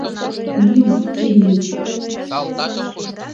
Йӱ, Илли!